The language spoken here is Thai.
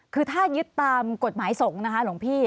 คือถ้ายึดตามกฎหมายสงฆ์นะคะหลวงพี่